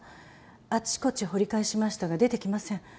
あちこち掘り返しましたが出てきません。